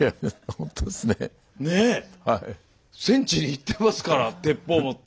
戦地に行ってますから鉄砲持って。